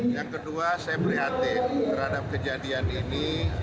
yang kedua saya berhati hati terhadap kejadian ini